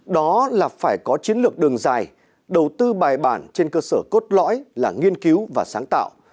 đó là phải có chiến lược đường dài đầu tư bài bản trên cơ sở cốt lõi là nghiên cứu và sáng tạo